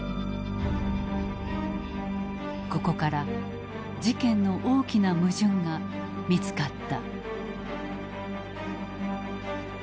ここから事件の大きな矛盾が見つかった。